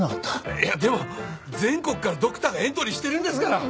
いやでも全国からドクターがエントリーしてるんですから。